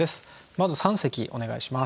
まず三席お願いします。